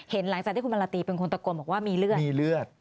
เห็นหลังจากที่คุณมาลาตรีเป็นคนตะกรบอกว่ามีเลือด